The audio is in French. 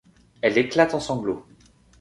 Elle éclate en sanglots.